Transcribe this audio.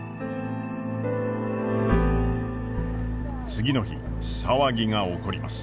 次の日騒ぎが起こります。